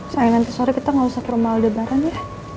sayang nanti sore kita gak usah ke rumah udah bareng ya